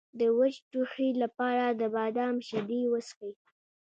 د وچ ټوخي لپاره د بادام شیدې وڅښئ